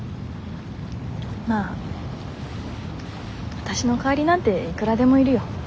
まあわたしの代わりなんていくらでもいるよ。